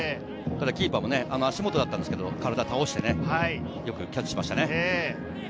キーパーも足元だったんですけど、体を倒してよくキャッチしましたね。